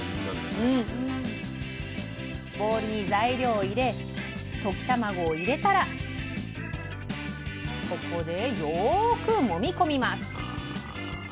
ボウルに材料を入れ溶き卵を入れたらここでよくもみこみます。